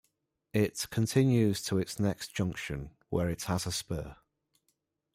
It continues to its next junction, where it has a spur.